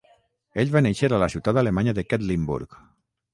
Ell va néixer a la ciutat alemanya de Quedlinburg.